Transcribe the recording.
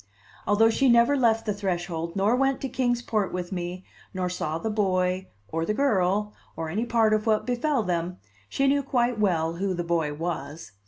Although she never left the threshold, nor went to Kings Port with me, nor saw the boy, or the girl, or any part of what befell them, she knew quite well who the boy was.